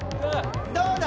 どうだ？